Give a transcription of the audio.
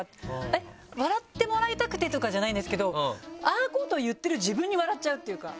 笑ってもらいたくてとかじゃないんですけどああいうことを言ってる自分に笑っちゃうっていうか。